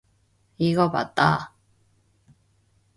이거 받아.